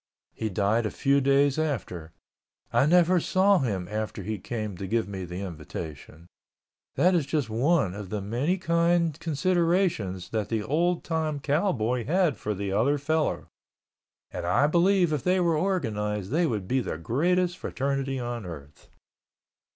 He died a few days after. I never saw him after he came to give me the invitation. That is just one of the many kind considerations that the old time cowboy had for the other fellow—and I believe if they were organized they would be the greatest fraternity on earth.